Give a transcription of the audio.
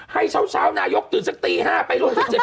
ให้เช้านายกตื่นสักตี๕ไปร่วม๑๗